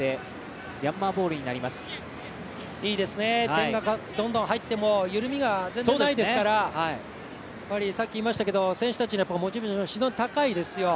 点がどんどん入っても緩みが全然ないですから選手たちのモチベーションも非常に高いですよ。